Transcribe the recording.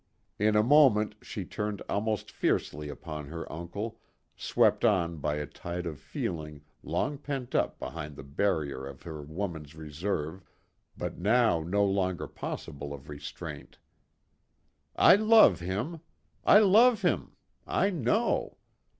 In a moment she turned almost fiercely upon her uncle, swept on by a tide of feeling long pent up behind the barrier of her woman's reserve, but now no longer possible of restraint. "I love him! I love him! I know!